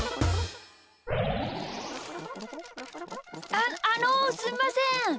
あっあのすいません。